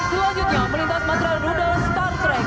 selanjutnya melintas matra rudal star trek